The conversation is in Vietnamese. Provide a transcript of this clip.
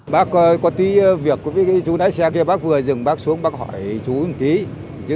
bác có tí việc với chú nãy xe kia bác vừa rừng bác xuống bác hỏi chú một tí